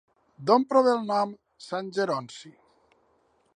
D'on prové el nom de Sant Geronci?